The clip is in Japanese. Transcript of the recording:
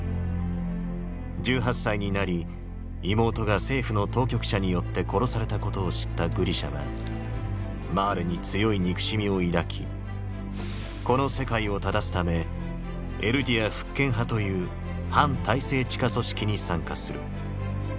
１８歳になり妹が政府の当局者によって殺されたことを知ったグリシャはマーレに強い憎しみを抱きこの世界を正すため「エルディア復権派」という反体制地下組織に参加する。